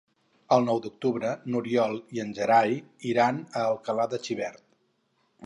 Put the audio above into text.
El nou d'octubre n'Oriol i en Gerai iran a Alcalà de Xivert.